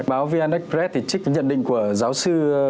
báo vnx press thì trích cái nhận định của giáo sư